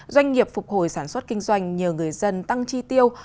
doanh nghiệp phục hồi sản xuất kinh doanh nhờ người dân tăng chi tiêu